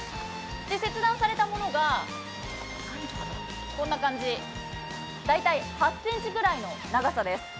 切断されたものが大体８ｃｍくらいの長さです。